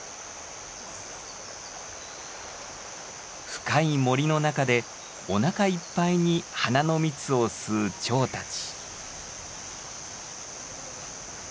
深い森の中でおなかいっぱいに花の蜜を吸うチョウたち。